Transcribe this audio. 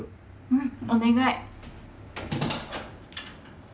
うんお願い。